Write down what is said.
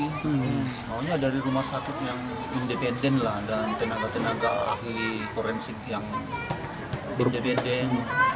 maunya dari rumah sakit yang independen lah dan tenaga tenaga akhiri korensik yang independen